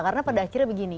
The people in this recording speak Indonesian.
karena pada akhirnya begini